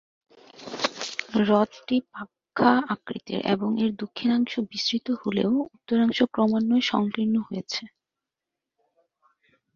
হ্রদটি পাঁখা-আকৃতির এবং এর দক্ষিণাংশ বিস্তৃত হলেও উত্তরাংশ ক্রমান্বয়ে সংকীর্ণ হয়েছে।